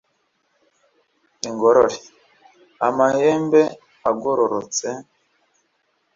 ingorore: amahembe agororotse;